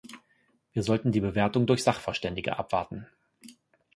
Wir sollten die Bewertung durch Sachverständige abwarten.